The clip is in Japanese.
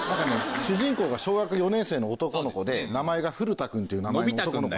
主人公が小学４年生の男の子でフルタ君っていう名前の男の子。